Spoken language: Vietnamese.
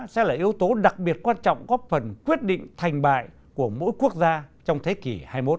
sẽ là yếu tố đặc biệt quan trọng góp phần quyết định thành bại của mỗi quốc gia trong thế kỷ hai mươi một